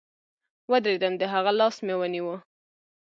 ودرېدم د هغه لاس مې ونيو.